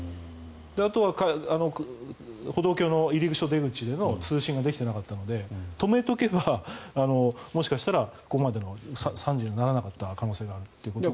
あとは歩道橋の入り口、出口での通信ができていなかったので止めとけば、もしかしたらここまでの惨事にならなかった可能性があるということで。